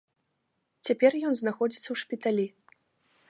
Цяпер ён знаходзіцца ў шпіталі.